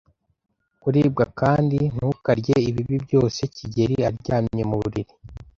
kuribwa kandi ntukarye ibibi byose. kigeli aryamye mu buriri.